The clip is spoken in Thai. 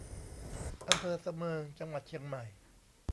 อำเภอสะเมิง จังหวัดเชียงใหม่